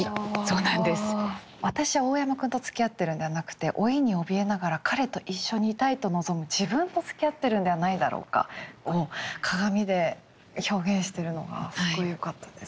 「私は大山くんと付き合ってるんではなくて老いに怯えながら彼と一緒にいたいと望む自分と付き合ってるんではないだろうか」を鏡で表現してるのがすっごいよかったです。